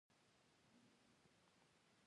د ملي حاکمیت ساتل د دولت دنده ده.